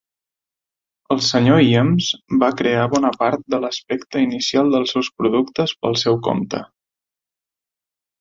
El Sr. Iams va crear bona part de l'aspecte inicial dels seus productes pel seu compte.